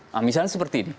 nah misalnya seperti ini